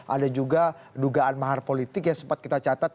ada juga dugaan mahar politik yang sempat kita catat